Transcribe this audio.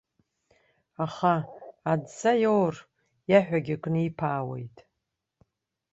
Аха, адҵа иоур, иаҳәагьы книԥаауеит.